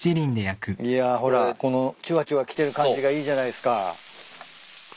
いやほらこのちゅわちゅわきてる感じがいいじゃないっすか。